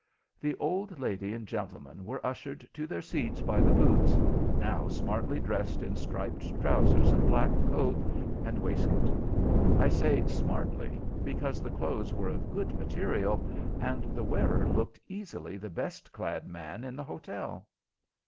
The old lady and gentleman were ushered to their seats by the boots, now smartly dressed in striped trousers and black coat and waistcoat. I say "smartly," because the clothes were of good material, and the wearer looked easily the best clad man in the hotel.